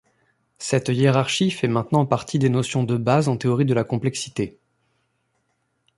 Cette hiérarchie fait maintenant partie des notions de base en théorie de la complexité.